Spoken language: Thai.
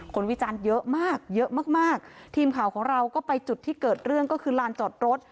วิจารณ์เยอะมากเยอะมากมากทีมข่าวของเราก็ไปจุดที่เกิดเรื่องก็คือลานจอดรถ